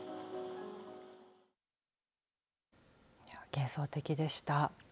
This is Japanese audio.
幻想的でした。